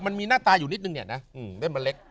มันมีหน้าตาอยู่นิดนึงเนี่ยนะเล่นมันเล็ก